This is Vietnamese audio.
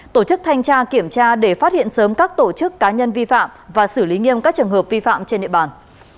tổ chức thanh tra kiểm tra để phát hiện sớm các tổ chức cá nhân vi phạm và xử lý nghiêm các trường hợp vi phạm trên địa bàn